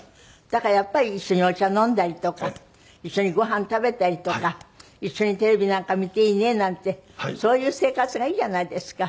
だからやっぱり一緒にお茶飲んだりとか一緒にご飯食べたりとか一緒にテレビなんか見ていいねなんてそういう生活がいいじゃないですか。